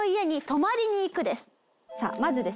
さあまずですね